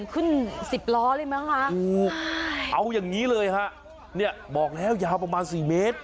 ขึ้นสิบล้อเลยนะคะฮู้เอาอย่างงี้เลยค่ะเนี่ยบอกแล้วยาวประมาณสี่เมตร